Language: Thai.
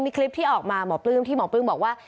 มีคลิปที่ออกมาที่หมอปลื้มบอกว่า